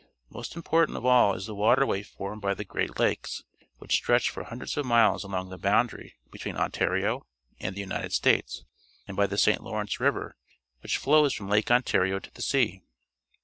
Most important of all is the waterway formed b\' the Great Lakes, which stretch for hundreds of miles along the boundarj' between Ontario and the United States, and by the St. Laurence River, which flows from Lake Ontario to the sea.